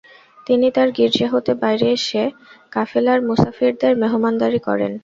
তিনি তার গির্জা হতে বাইরে এসে কাফেলার মুসাফিরদের মেহমানদারী করেন।